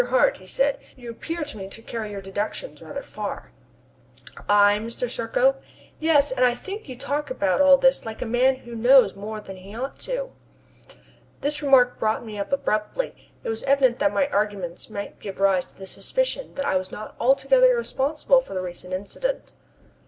Hart," he said, "you appear to me to carry your deductions rather far." "I, Mr. Serko?" "Yes, and I think you talk about all this like a man who knows more than he ought to." This remark brought me up abruptly. It was evident that my arguments might give rise to the suspicion that I was not altogether irresponsible for the recent incident.